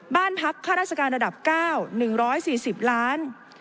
บ้านพักค่าราชการระดับเก้าหนึ่งร้อยสี่สิบล้าน